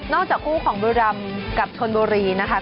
นอกจากคู่ของบุรีลำกับชนบุรีนะครับ